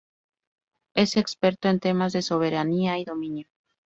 Es experto en temas de soberanía y dominio.